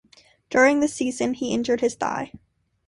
During this season, he injured his thigh.